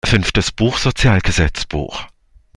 Fünftes Buch Sozialgesetzbuch.